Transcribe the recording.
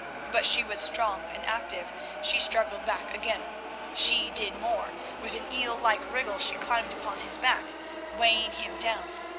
But she was strong and active, she struggled back again; she did more, with an eel like wriggle she climbed upon his back, weighing him down.